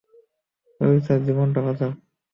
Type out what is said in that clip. অফিসারের জীবনটা বাঁচাও!